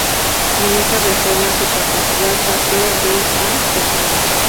En esa reforma su capacidad pasó de a personas.